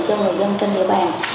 cho người dân trên địa bàn